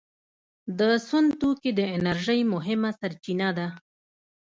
د سون توکي د انرژۍ مهمه سرچینه ده.